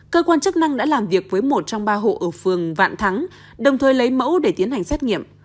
cơ quan chức năng đã làm việc với một trong ba hộ ở phường vạn thắng đồng thời lấy mẫu để tiến hành xét nghiệm